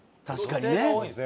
確かにね。